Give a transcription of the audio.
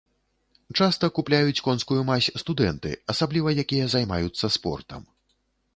Часта купляюць конскую мазь студэнты, асабліва якія займаюцца спортам.